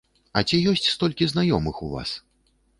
А ці ёсць столькі знаёмых у вас?!